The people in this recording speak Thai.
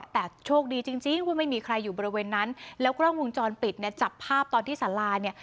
แต่โชคดีจริงจริงว่าไม่มีใครอยู่บริเวณนั้นแล้วกล้องวงจรปิดเนี่ยจับภาพตอนที่สาราเนี่ย